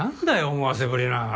思わせぶりな。